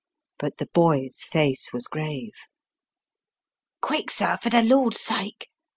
But the boy's face was grave. "Quick, sir, for the land's sake.